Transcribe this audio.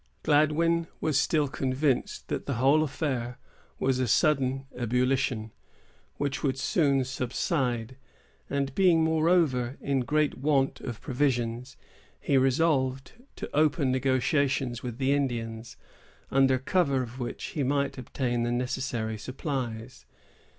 Gladwyn was still convinced that the whole affair was a sudden ebullition, which would soon subside; and being, moreover, in great want of provisions, he resolved to open negotiations with the Indians, under cover of which he might obtain the necessary supplies.